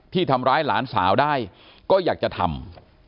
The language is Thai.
ที่ทำร้ายหลานสาวได้ก็อยากจะทำ